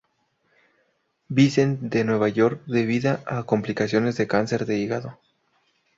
Vincent de Nueva York debida a complicaciones de cáncer de hígado.